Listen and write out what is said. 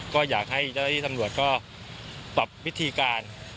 ก็อยากให้เจ้าที่ตำรวจก็ปรับวิธีการ